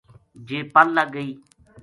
جے پل لگ گئی